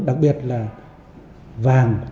đặc biệt là vàng